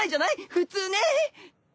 普通ね！